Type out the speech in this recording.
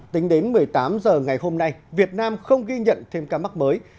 tính đến một mươi tám h ngày hôm nay việt nam không ghi nhận thêm ca mắc mới